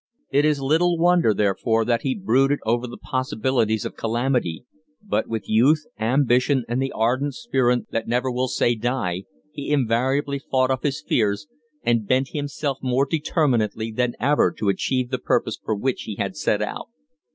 It is little wonder, therefore, that he brooded over the possibilities of calamity, but with youth, ambition, and the ardent spirit that never will say die, he invariably fought off his fears, and bent himself more determinedly than ever to achieve the purpose for which he had set out.